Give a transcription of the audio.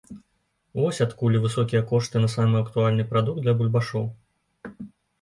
Вось адкуль і высокія кошты на самы актуальны прадукт для бульбашоў.